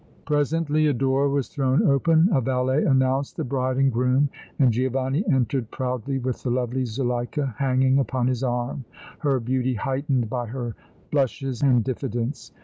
Presently a door was thrown open, a valet announced the bride and groom and Giovanni entered proudly with the lovely Zuleika hanging upon his arm, her beauty heightened by her blushes and diffidence.